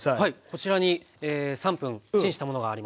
こちらに３分チンしたものがあります。